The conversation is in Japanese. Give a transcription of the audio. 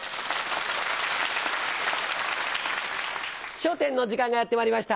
『笑点』の時間がやってまいりました。